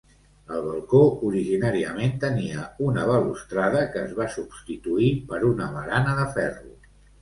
El balcó originàriament tenia una balustrada que es va substituir per una barana de ferro.